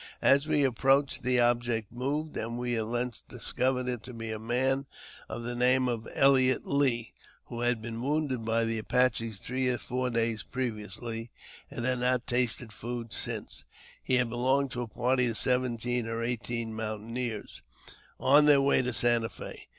As we approached the object moved, and we at length discovered it to be a man of the name of Elliott Lee, who had been wounded by the Apaches three or four days previously, and had not tasted food since. 404 AUTOBIOGBAPHY OF He had belonged to a party of seventeen or eighteen moun taineers, on their way to Santa F^.